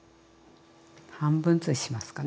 半分ずつしますかね。